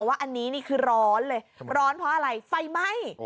ว่าอันนี้นี่คือร้อนเลยร้อนเพราะอะไรไฟไหม้